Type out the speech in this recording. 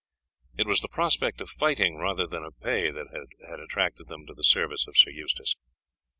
It was the prospect of fighting rather than of pay that had attracted them to the service of Sir Eustace.